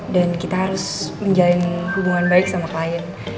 dan kita harus menjalin hubungan baik sama klien